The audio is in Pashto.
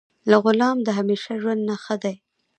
له غلام د همیشه ژوند نه ښه دی.